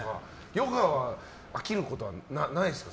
ヨガは飽きることはないんですか。